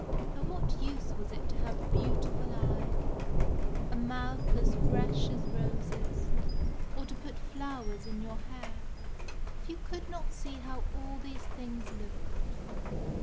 Of what use was it to have beautiful eyes, a mouth as fresh as roses, or to put flowers in your hair, if you could not see how all these things looked?